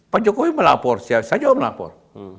pak jokowi melapor siap saja orang melapor